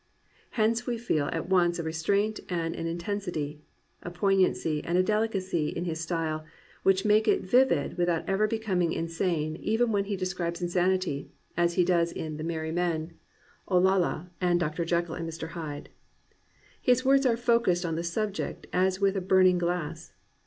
Hence we feel at once a restraint and an intensity, a poignancy and a delicacy in his style, which make it vivid without ever becoming insane even when he describes insanity, as he does in The Merry Men, 374 AN ADVENTURER Olalla, and Dr. JekyU and Mr. Hyde. His words are focussed on the object as with a burning glass.